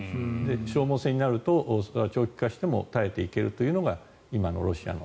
消耗戦になると、長期化しても耐えていけるというのが今のロシアの。